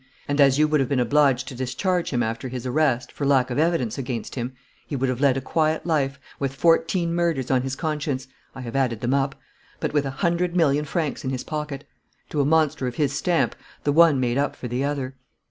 And, as you would have been obliged to discharge him after his arrest, for lack of evidence against him, he would have led a quiet life, with fourteen murders on his conscience I have added them up but with a hundred million francs in his pocket. To a monster of his stamp, the one made up for the other."